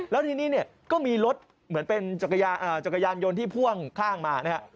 แล้วทีนี้เนี่ยก็มีรถเหมือนเป็นจักรยานยนต์ที่พ่วงข้างมานะฮะ